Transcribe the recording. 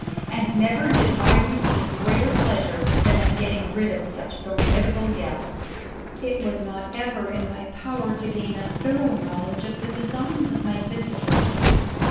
And nerer did I receive greater pleasure than at getting rid of such formidable guests. "It was not ever in my power to gain a thorough knowl edge of the designs of my visitors.